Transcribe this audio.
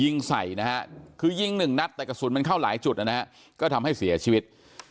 ยิงใส่นะฮะคือยิงหนึ่งนัดแต่กระสุนมันเข้าหลายจุดนะฮะก็ทำให้เสียชีวิต